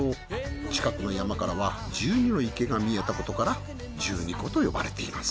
近くの山からは１２の池が見えたことから十二湖と呼ばれています。